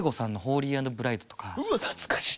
うわ懐かしい！